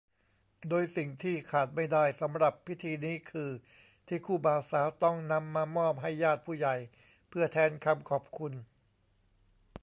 โดยสิ่งที่ขาดไม่ได้สำหรับพิธีนี้คือ ที่คู่บ่าวสาวต้องนำมามอบให้ญาติผู้ใหญ่เพื่อแทนคำขอบคุณ